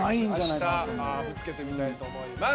明日ぶつけてみたいと思います。